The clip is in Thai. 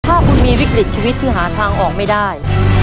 ถ้าคุณมีวิกฤตชีวิตที่หาทางออกไม่ได้